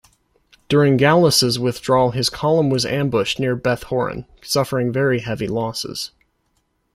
During Gallus's withdrawal his column was ambushed near Beth Horon, suffering very heavy losses.